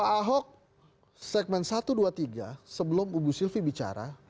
pak ahok segmen satu dua tiga sebelum ibu sylvi bicara